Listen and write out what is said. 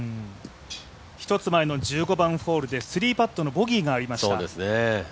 １つ前の１５番ホールで３パットのボギーがありました。